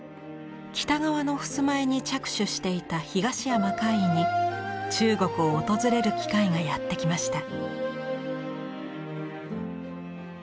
北側の襖絵に着手していた東山魁夷に中国を訪れる機会がやって来ました。